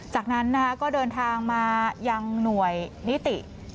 จากนั้นก็เดินทางมายังหน่วยนิติ